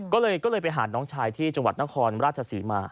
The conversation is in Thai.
ก็เลยไปหาน้องชายที่จังหวัดนครราชศรีมา